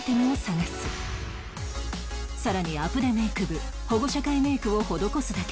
さらにアプデメイク部保護者会メイクを施すだけじゃない